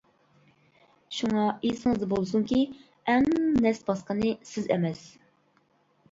شۇڭا ئېسىڭىزدە بولسۇنكى، ئەڭ نەس باسقىنى سىز ئەمەس.